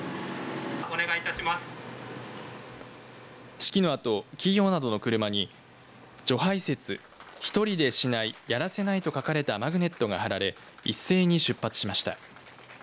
式のあと、企業などの車に除排雪一人でしないやらせないと書かれたマグネットが貼られいっせいに出発しました。